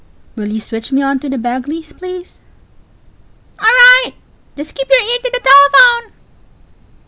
I. Will you switch me on to the Bagleys, please? C. O. All right. Just keep your ear to the telephone.